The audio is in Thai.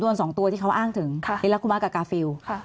โดนสองตัวที่เขาอ้างถึงค่ะรีลักษณ์คุมะกราฟิวค่ะ